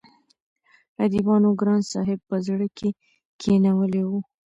اديبانو ګران صاحب په زړه کښې کښينولی وو